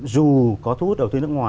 dù có thú hút đầu tư nước ngoài